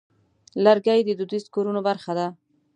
لرګی د دودیزو کورونو برخه ده.